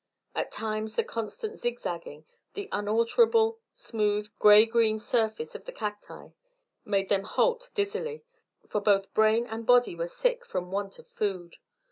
At times the constant zig zagging, the unalterable, smooth, grey green surface of the cacti, made them halt dizzily, for both brain and body were sick for want of food.